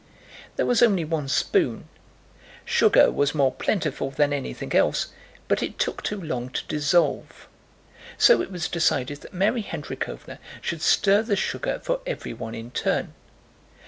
There was only one spoon, sugar was more plentiful than anything else, but it took too long to dissolve, so it was decided that Mary Hendríkhovna should stir the sugar for everyone in turn.